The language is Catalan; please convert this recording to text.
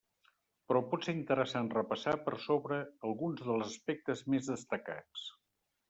Però pot ser interessant repassar per sobre alguns dels aspectes més destacats.